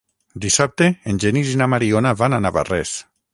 Dissabte en Genís i na Mariona van a Navarrés.